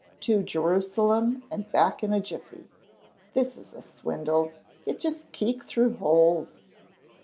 To Jerusalem and Back in a Jiffy. This is a swindle. You just keek through holes."